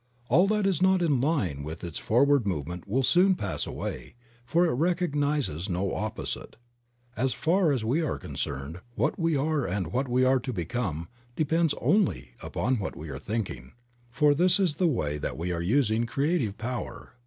All that is not in line with its forward movement will soon pass away, for it recognizes no opposite. As far as we are con cerned what we are and what we are to become depends only upon what we are thinking, for this is the way that we are using creative power.